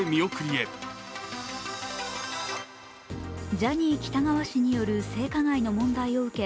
ジャニー喜多川氏による性加害の問題を受け